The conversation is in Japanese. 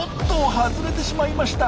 外れてしまいました。